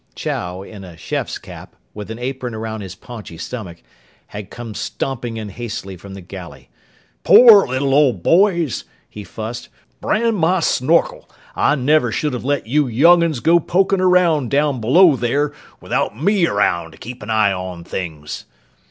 Chow, in a chef's cap, with an apron around his paunchy stomach, had come stomping in hastily from the galley. "Pore lil ole boys," he fussed. "Brand my snorkel, I never should've let you young'uns go pokin' around down below there without me around to keep an eye on things!"